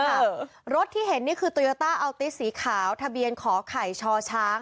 รถที่เห็นนี่คือโตโยต้าอัลติสีขาวทะเบียนขอไข่ชอช้าง